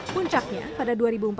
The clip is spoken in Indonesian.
puncaknya pada dua ribu empat belas